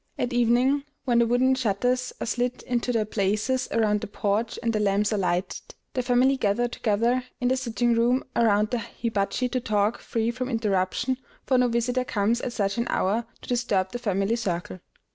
At evening, when the wooden shutters are slid into their places around the porch and the lamps are lighted, the family gather together in the sitting room around the hibachi to talk, free from interruption, for no visitor comes at such an hour to disturb the family circle.